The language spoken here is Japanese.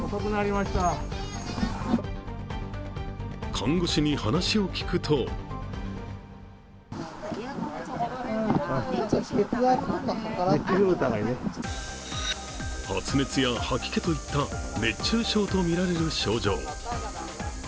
看護師に話を聞くと発熱や吐き気といった熱中症とみられる症状